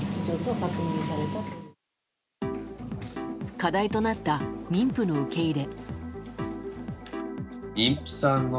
課題となった妊婦の受け入れ。